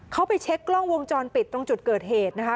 เขาไปเช็คกล้องวงจรปิดตรงจุดเกิดเหตุนะคะ